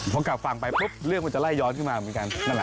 พอกลับฟังไปปุ๊บเลือดมันจะไล่ย้อนขึ้นมาเหมือนกัน